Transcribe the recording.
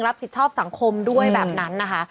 รับผิดชอบสังคมด้วยแบบนั้นนะคะ